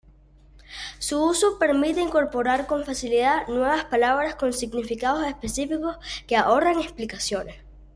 Su uso permite incorporar con facilidad nuevas palabras con significados específicos, que ahorran explicaciones.